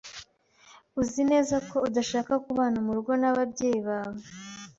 Uzi neza ko udashaka kubana murugo n'ababyeyi bawe?